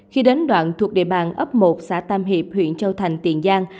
khi đến đoạn thuộc địa bàn ấp một xã tam hiệp huyện châu thành tiền giang